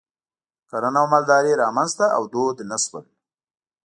کرنه او مالداري رامنځته او دود نه شول.